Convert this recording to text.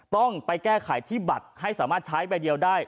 ต้องไปแก้ไขที่บัตรให้สามารถใช้ใบเดียวได้